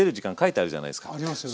ありますよね。